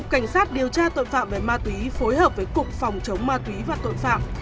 cảnh sát điều tra tội phạm về ma túy phối hợp với cục phòng chống ma túy và tội phạm